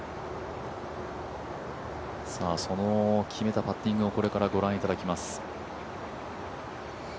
その決めたパッティングをこれからご覧いただきます。